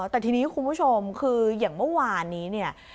แต่ทีนี้คุณผู้ชมคืออย่างเมื่อวานนี้เนี่ย